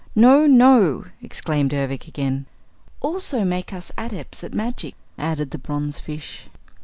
"No, no!" exclaimed Ervic again. "Also make us Adepts at Magic," added the bronzefish.